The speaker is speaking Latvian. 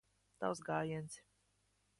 Tavs gājiens.